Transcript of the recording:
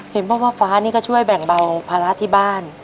เห็นบอกว่าฟ้านี่ก็ช่วยแบ่งเบาภาระที่บ้าน